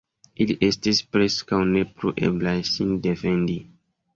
Ili estis preskaŭ ne plu eblaj sin defendi.